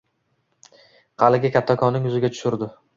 Haligi kattakonning yuziga tushirdi.